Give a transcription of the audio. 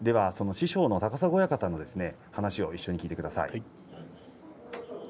師匠の高砂親方の話を一緒に聞いてください。